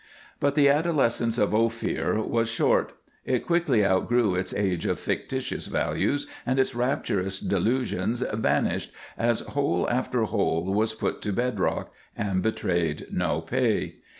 But the adolescence of Ophir was short. It quickly outgrew its age of fictitious values, and its rapturous delusions vanished as hole after hole was put to bed rock and betrayed no pay.